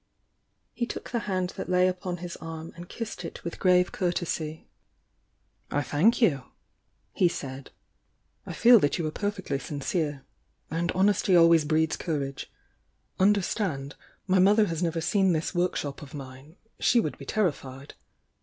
He took the hand that lay upon his arm and kissed It with grave courtesy. "I thank you!" he said. "I feel that you are per fectly sincere and honesty always breeds courage. Understand, my mother has nt 'er seen this work shop of mine— she would be terrified.